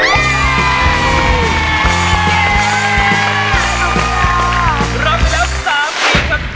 รับทีแล้ว๓ปี๓๑ดาว